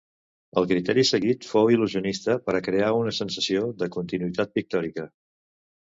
El criteri seguit fou il·lusionista per a crear una sensació de continuïtat pictòrica.